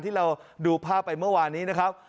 ที่เราดูภาพไปเมื่อวานนี้นะครับ